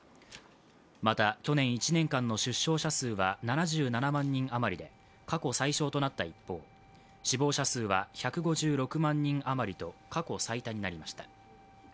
また、去年１年間の出生者数は７７万人余りで、過去最少となった一方、死亡者数は１５６万人あまりと、過去最多になりました。